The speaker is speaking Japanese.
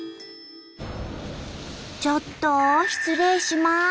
ちょっと失礼します！